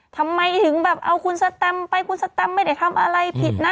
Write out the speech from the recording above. ทำไมถึงแบบเอาคุณสแตมไปคุณสแตมไม่ได้ทำอะไรผิดนะ